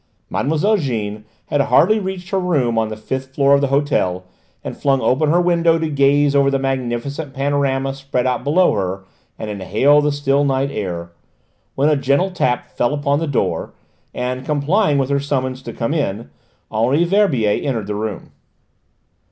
Mlle. Jeanne had hardly reached her room on the fifth floor of the hotel, and flung open her window to gaze over the magnificent panorama spread out below her and inhale the still night air, when a gentle tap fell upon the door and, complying with her summons to come in, Henri Verbier entered the room.